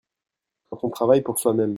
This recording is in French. Quand on travaille pour soi-même.